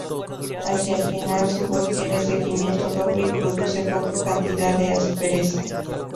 Hacia el final, su voz tiene seguimiento doble y produce poca cantidad de aspereza.